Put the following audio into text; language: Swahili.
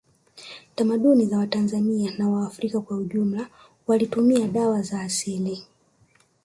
Tamaduni za watanzani na waafrika kwa ujumla walitumia dawa za asili